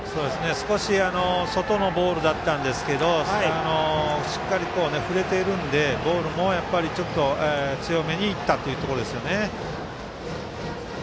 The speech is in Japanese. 少し外のボールだったんですけれどもしっかりと振れているのでボールも、ちょっと強めにいったというところですね。